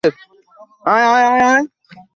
তোমার ছোট ভাইয়ের সাথে যোগাযোগ করতে পেরেছ?